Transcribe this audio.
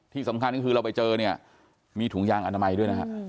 ที่สำคัญก็คือเราไปเจอเนี่ยมีถุงยางอนามัยด้วยนะฮะ